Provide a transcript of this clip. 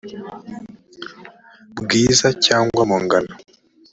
bwiza cyangwa mu ngano